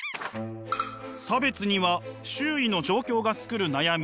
差別には周囲の状況が作る悩み